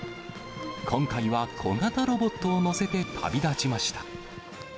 今回は小型ロボットを載せて旅立ちました。